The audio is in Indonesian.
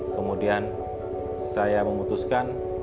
kemudian saya memutuskan